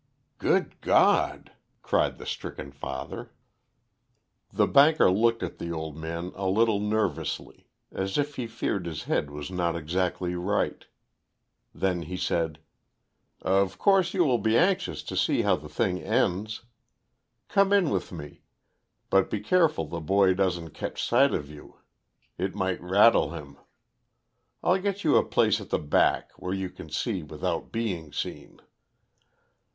"Good God!" cried the stricken father. The banker looked at the old man a little nervously, as if he feared his head was not exactly right. Then he said: "Of course you will be anxious to see how the thing ends. Come in with me, but be careful the boy doesn't catch sight of you. It might rattle him. I'll get you a place at the back, where you can see without being seen."